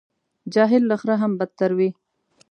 جاهل له خره هم بدتر وي.